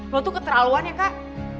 lo itu keterlaluan ya kak